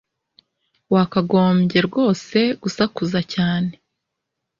Wakagombye rwose gusakuza cyane